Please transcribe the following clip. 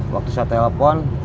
waktu saya telepon